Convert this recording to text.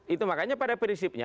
itu makanya pada prinsipnya